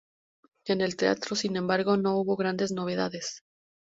En el teatro, sin embargo, no hubo grandes novedades.